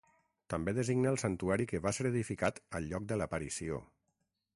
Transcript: També designa el santuari que va ser edificat al lloc de l'aparició.